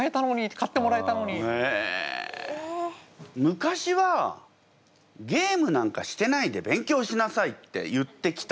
昔はゲームなんかしてないで勉強しなさいって言ってきた。